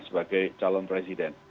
sebagai calon presiden